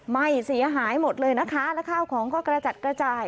ไหม้เสียหายหมดเลยนะคะแล้วข้าวของก็กระจัดกระจาย